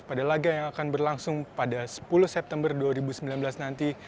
pada laga yang akan berlangsung pada sepuluh september dua ribu sembilan belas nanti